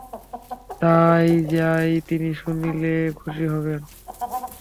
তাই যাই, তিনি শুনলে খুশি হবেন।